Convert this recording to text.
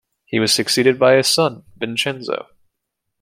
He was succeeded by his son Vincenzo.